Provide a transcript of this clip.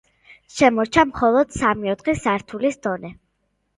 შემორჩა მხოლოდ სამი-ოთხი სართულის დონე.